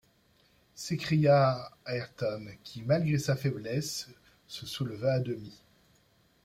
s’écria Ayrton, qui, malgré sa faiblesse, se souleva à demi.